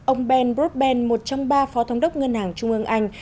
ông ben bruben một trong ba phó thống đốc ngân hàng trung ương anh